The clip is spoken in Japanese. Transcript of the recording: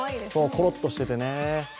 コロッとしていてね。